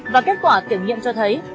và kết quả kiểm nghiệm cho thấy